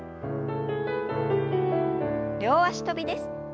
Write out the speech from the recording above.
両脚跳びです。